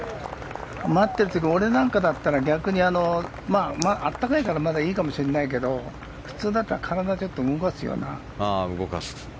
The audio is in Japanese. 待っているというか俺なんかだったら、逆に暖かいからまだいいかもしれないけど普通だったら体、ちょっと動かすよな。